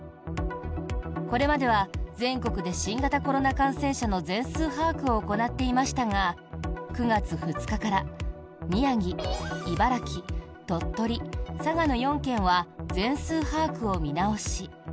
これまでは全国で新型コロナ感染者の全数把握を行っていましたが９月２日から宮城、茨城、鳥取、佐賀の４県は全数把握を見直し